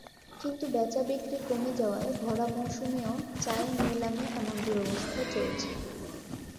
কিন্তু বেচাবিক্রি কমে যাওয়ায় ভরা মৌসুমেও চায়ের নিলামে এমন দুরবস্থা চলছে।